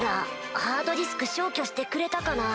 ハードディスク消去してくれたかな。